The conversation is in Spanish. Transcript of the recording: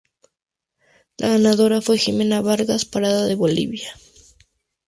La ganadora fue Ximena Vargas Parada de Bolivia.